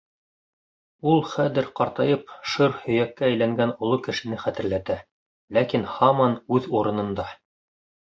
Ул хәҙер, ҡартайып, шыр һөйәккә әйләнгән оло кешене хәтерләтә, ләкин һаман үҙ урынында.